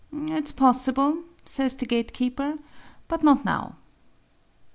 "It is possible," says the gatekeeper, "but not now."